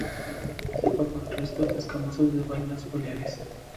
Cepa con restos escamosos de vainas foliares.